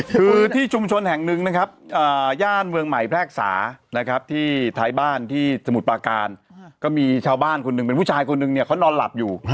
คือที่ชุมชนแห่งหนึ่งนะครับย่านเมืองใหม่แพรกษานะครับที่ท้ายบ้านที่สมุทรปาการก็มีชาวบ้านคนหนึ่งเป็นผู้ชายคนหนึ่งเนี่ยเขานอนหลับอยู่